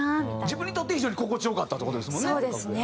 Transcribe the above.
自分にとって非常に心地良かったって事ですもんね。